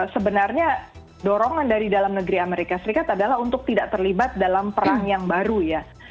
sebenarnya dorongan dari dalam negeri amerika serikat adalah untuk tidak terlibat dalam perang yang baru ya